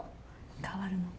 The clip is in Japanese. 変わるのか。